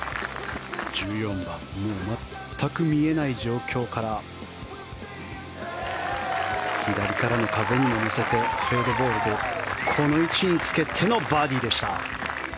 １４番全く見えない状況から左からの風にも乗せてフェードボールでこの位置につけてのバーディーでした。